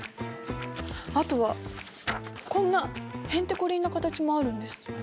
あとはこんなへんてこりんな形もあるんです。